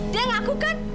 dia ngaku kan